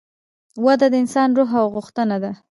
وده د انسان د روح غوښتنه ده.